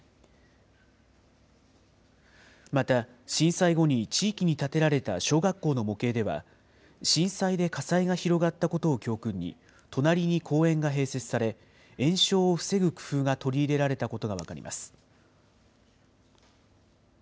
また、震災後に地域に建てられた小学校の模型では、震災で火災が広がったことを教訓に、隣に公園が併設され、延焼を防ぐ工夫が取り入れられたことが分かります。